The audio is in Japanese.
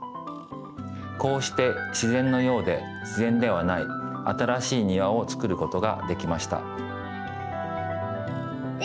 こうして自ぜんのようで自ぜんではないあたらしい庭をつくることができました。